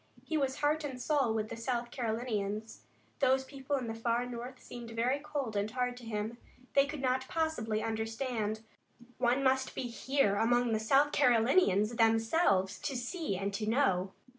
He was heart and soul with the South Carolinians. Those people in the far north seemed very cold and hard to him. They could not possibly understand. One must be here among the South Carolinians themselves to see and to know.